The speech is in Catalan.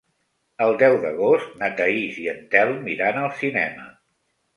El deu d'agost na Thaís i en Telm iran al cinema.